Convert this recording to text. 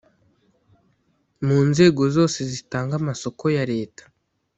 Mu nzego zose zitanga amasoko ya Leta